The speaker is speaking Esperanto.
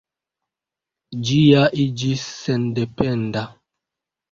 Ĝi ja iĝis sendependa.